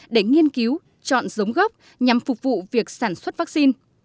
để nghiên cứu chọn giống gốc nhằm phục vụ việc sản xuất vaccine